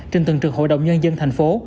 trên từng trường hội đồng nhân dân tp